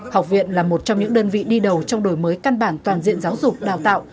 học viện là một trong những đơn vị đi đầu trong đổi mới căn bản toàn diện giáo dục đào tạo